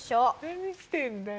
何してんだよ。